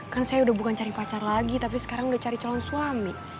kan saya udah bukan cari pacar lagi tapi sekarang udah cari calon suami